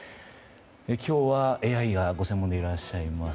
今日はＡＩがご専門でいらっしゃいます